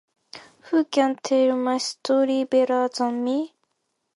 Who can tell my story better than me?